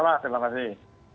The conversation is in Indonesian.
mas fadil terima kasih